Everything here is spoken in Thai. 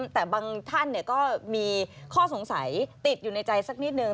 แต่บางท่านก็มีข้อสงสัยติดอยู่ในใจสักนิดนึง